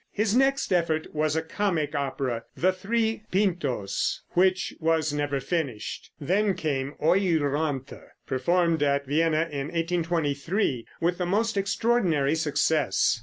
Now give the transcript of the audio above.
His next effort was a comic opera, the "Three Pintos," which was never finished. Then came "Euryanthe" performed at Vienna in 1823 with the most extraordinary success.